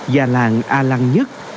già làng a lăng nhất